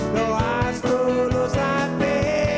doa seluruh hati